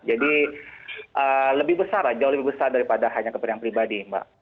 jadi lebih besar jauh lebih besar daripada hanya kepentingan pribadi mbak